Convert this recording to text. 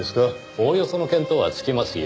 おおよその見当はつきますよ。